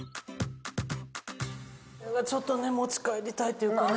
ちょっとね持ち帰りたいというかね。